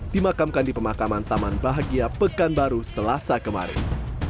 dimakamkan di pemakaman taman bahagia pekanbaru selasa kemarin